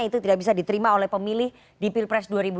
itu tidak bisa diterima oleh pemilih di pilpres dua ribu dua puluh